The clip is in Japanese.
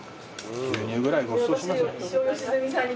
牛乳ぐらいごちそうしますよ。